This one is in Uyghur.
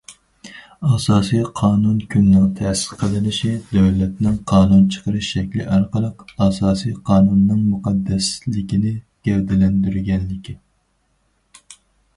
ئاساسىي قانۇن كۈنىنىڭ تەسىس قىلىنىشى دۆلەتنىڭ قانۇن چىقىرىش شەكلى ئارقىلىق ئاساسىي قانۇننىڭ مۇقەددەسلىكىنى گەۋدىلەندۈرگەنلىكى.